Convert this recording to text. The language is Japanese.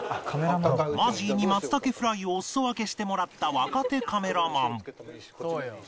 マジーに松茸フライをお裾分けしてもらった若手カメラマン